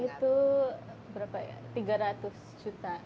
itu berapa ya tiga ratus juta